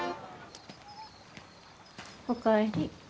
お帰り。